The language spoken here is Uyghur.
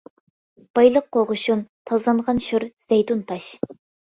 بايلىق قوغۇشۇن، تازىلانغان شور، زەيتۇن تاش.